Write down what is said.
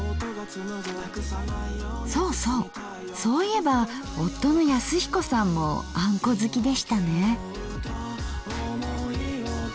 そうそうそういえば夫の恭彦さんもあんこ好きでしたね。